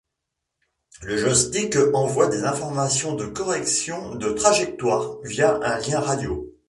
Le joystick envoie des informations de correction de trajectoire via un lien radio.